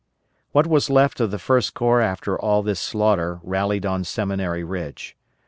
What was left of the First Corps after all this slaughter rallied on Seminary Ridge.